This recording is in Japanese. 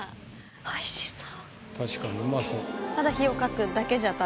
おいしそう。